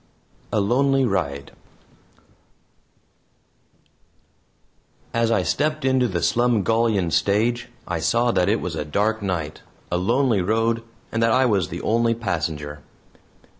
A LONELY RIDE As I stepped into the Slumgullion stage I saw that it was a dark night, a lonely road, and that I was the only passenger.